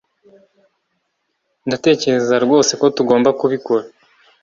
ndatekereza rwose ko tugomba kubikora